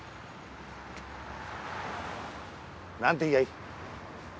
なんて言やいい？